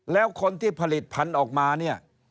แล้วคนที่ผลิตพันธุ์ออกมา